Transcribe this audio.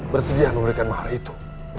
bersedia memberikan mahal itu